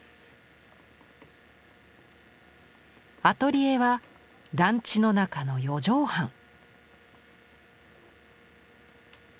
アトリエは団地の中の四畳半。